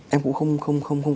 em cũng không